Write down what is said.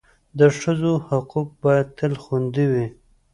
د ښځو حقوق باید تل خوندي وي.